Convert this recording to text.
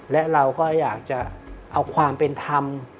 และเราก็อยากจะเอาความเป็นธรรม